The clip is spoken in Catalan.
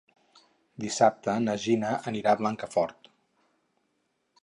Dissabte na Gina anirà a Blancafort.